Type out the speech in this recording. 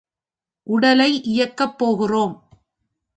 உடலை இயக்கப் போகிறோம்.